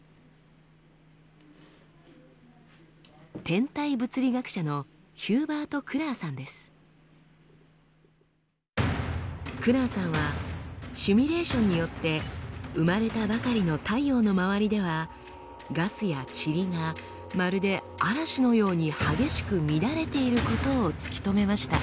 天体物理学者のクラーさんはシミュレーションによって生まれたばかりの太陽の周りではガスやチリがまるで嵐のように激しく乱れていることを突き止めました。